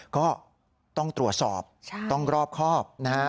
ก็ต้องตรวจสอบต้องรอบครอบนะฮะ